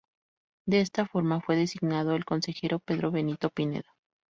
De esta forma, fue designado el Consejero Pedro Benito Pineda.